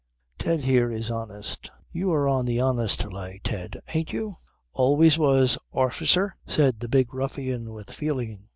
Ted here is honest ... You are on the honest lay, Ted, ain't you?" "Always was, orficer," said the big ruffian with feeling.